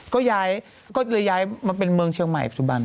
ก็เลยย้ายมาเป็นเมืองเชียงใหม่ปัจจุบัน